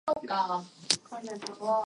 It is commonly taught in primary schools.